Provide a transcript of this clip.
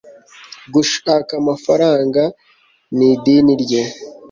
gushaka amafaranga ni idini rye